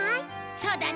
そうだね。